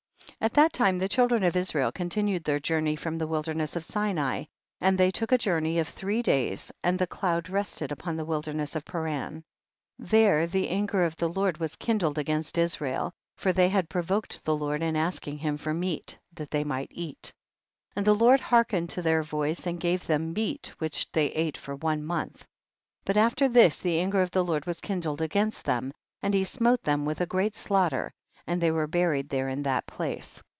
26. At that time the children of Israel continued their journey from the wilderness of Sinai, and they took a journey of three days, and the cloud rested upon the wilderness of Paran; there the anger of the Lord was kin dled against Israel, for they had pro voked the Lord in asking him for meat, that they might eat. 27. And the Lord hearkened to their voice, and gave them meat which they ate for one month. 28. But after this the anger of the Lord was kindled against them, and he smote them with a great slaugh ter, and they were buried there in that place.